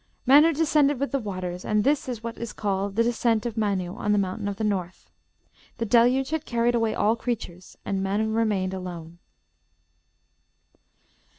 Mann descended with the waters, and this is what is called the descent of Mann on the Mountain of the North. The Deluge had carried away all creatures, and Mann remained alone."